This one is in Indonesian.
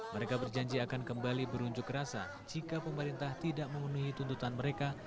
mereka berjanji akan kembali berunjuk rasa jika pemerintah tidak memenuhi tuntutan mereka